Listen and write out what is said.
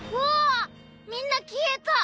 みんな消えた！